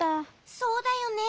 そうだよね。